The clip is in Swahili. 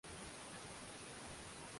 Mtoto yule ni jasiri.